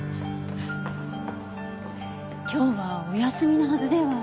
今日はお休みのはずでは？